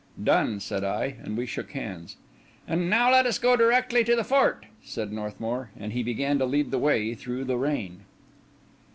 "Done!" said I; and we shook hands. "And now let us go directly to the fort," said Northmour; and he began to lead the way through the rain.